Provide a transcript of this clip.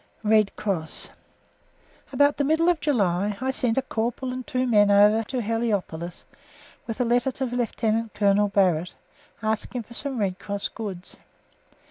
RED CROSS About the middle of July I sent a corporal and two men over to Heliopolis with a letter to Lieutenant Colonel Barrett, asking for some Red Cross goods.